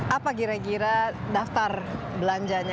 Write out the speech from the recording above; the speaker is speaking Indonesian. apa kira kira daftar belanjanya